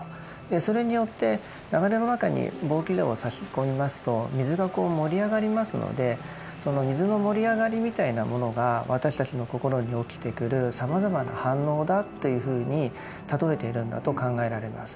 それによって流れの中に棒きれをさし込みますと水が盛り上がりますのでその水の盛り上がりみたいなものが私たちの心に起きてくるさまざまな反応だというふうに例えているんだと考えられます。